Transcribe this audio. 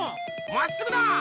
まっすぐだ！